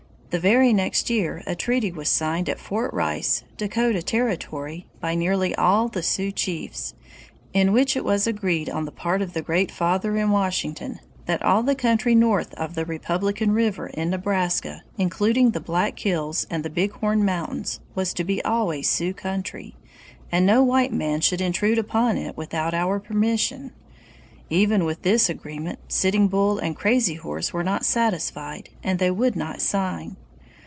The very next year a treaty was signed at Fort Rice, Dakota Territory, by nearly all the Sioux chiefs, in which it was agreed on the part of the Great Father in Washington that all the country north of the Republican River in Nebraska, including the Black Hills and the Big Horn Mountains, was to be always Sioux country, and no white man should intrude upon it without our permission. Even with this agreement Sitting Bull and Crazy Horse were not satisfied, and they would not sign.